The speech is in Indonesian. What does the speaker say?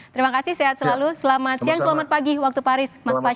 terima kasih sehat selalu selamat siang selamat pagi waktu paris mas